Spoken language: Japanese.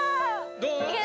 どう？